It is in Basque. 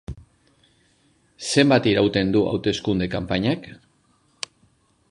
Zenbat irauten du hauteskunde-kanpainak?